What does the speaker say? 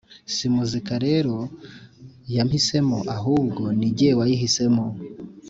Si muzika rero yampisemo , ahubwo ni jyewe wayihisemo